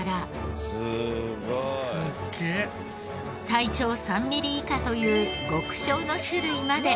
体長３ミリ以下という極小の種類まで。